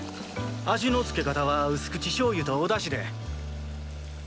味の付け方は薄口しょうゆとおだしで。